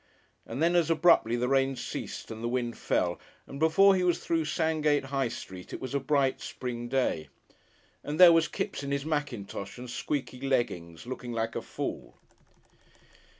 And then as abruptly the rain ceased and the wind fell, and before he was through Sandgate High Street it was a bright spring day. And there was Kipps in his mackintosh and squeaky leggings, looking like a fool!